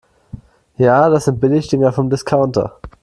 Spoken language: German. Ja, das sind Billigdinger vom Discounter.